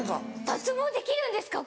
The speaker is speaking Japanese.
脱毛できるんですか？